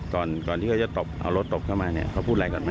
ก่อนที่เขาจะตบเอารถตบเข้ามาเนี่ยเขาพูดอะไรก่อนไหม